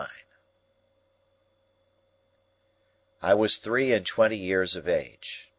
I was three and twenty years of age.